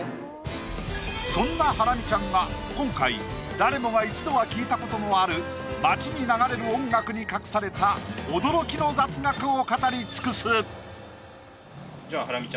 そんなハラミちゃんが今回誰もが一度は聞いたことのある街に流れる音楽に隠された驚きの雑学を語り尽くす！